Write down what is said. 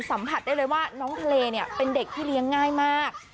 สัมผัสได้เลยว่าน้องทะเลเนี่ยเป็นเด็กที่เลี้ยงง่ายมาก